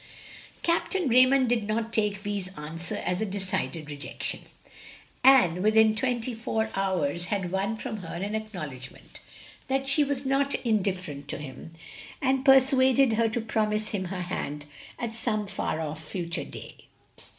Capt. Raymond did not take Vi's answer as a decided rejection, and within twenty four hours had won from her an acknowledgment that she was not indifferent to him, and persuaded her to promise him her hand at some far off future day.